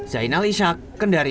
zainal ishak kendari